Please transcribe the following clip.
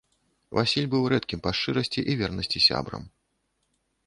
Васіль быў рэдкім па шчырасці і вернасці сябрам.